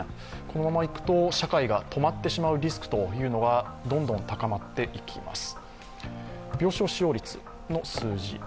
このままいくと、社会が止まってしまうリスクがどんどん高まっていきます。